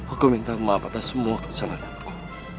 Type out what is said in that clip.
aku minta maaf atas semua kesalahanku